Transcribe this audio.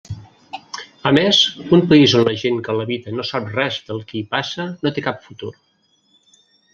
A més, un país on la gent que l'habita no sap res del que hi passa, no té cap futur.